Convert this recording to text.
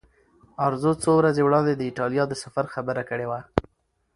ارزو څو ورځې وړاندې د ایټالیا د سفر خبره کړې وه.